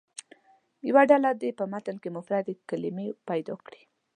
یوه ډله دې په متن کې مفرد کلمې پیدا کړي.